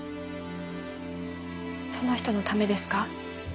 その人のためですか？